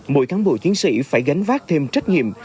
mỗi cán bộ chiến sĩ phải gánh vác thêm trách nhiệm